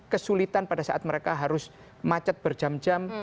kesulitan pada saat mereka harus macet berjam jam